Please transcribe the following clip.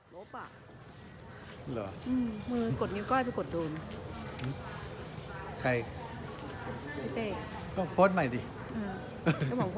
หรอมึงกดนิ้วก้อยไปกดดูใครพี่เต้โฮดใหม่ดีอืม